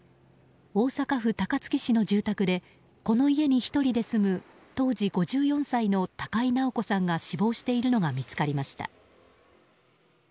大阪府高槻市の住宅でこの家に１人で住む当時５４歳の高井直子さんが死亡しているのが見つかりました。